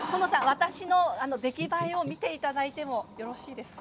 私の出来栄えを見ていただいてもよろしいですか。